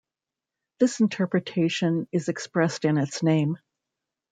This interpretation is expressed in its name.